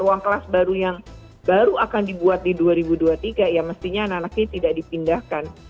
ruang kelas baru yang baru akan dibuat di dua ribu dua puluh tiga ya mestinya anak anak ini tidak dipindahkan